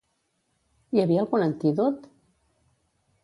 Hi havia algun antídot?